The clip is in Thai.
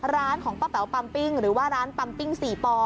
ร้านของป้าแป๋วปัมปิ้งหรือว่าร้านปัมปิ้ง๔ปอ